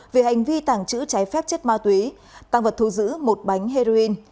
về hành vi tàng trữ trái phép chất ma túy tăng vật thu giữ một bánh heroin